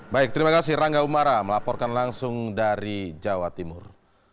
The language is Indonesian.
baik terima kasih rangga umara melaporkan langsung dari jawa timur